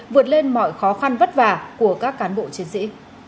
vượt lên mọi khó khăn vất vả của các cán bộ chiến sĩ